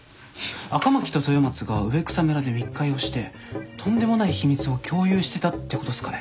赤巻と豊松が上草村で密会をしてとんでもない秘密を共有してたってことっすかね？